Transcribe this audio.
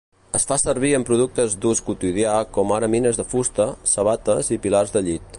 Es fa servir en productes d'ús quotidià com ara nines de fusta, sabates i pilars de llit.